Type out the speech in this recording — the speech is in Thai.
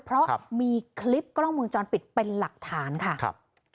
เพราะมีคลิปกล้องวงจรปิดเป็นหลักฐานค่ะครับ